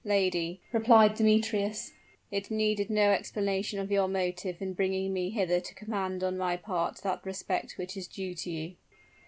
"Lady," replied Demetrius, "it needed no explanation of your motive in bringing me hither to command on my part that respect which is due to you."